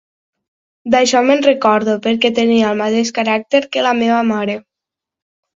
D'això me'n recordo perquè tenia el mateix caràcter que la meva mare.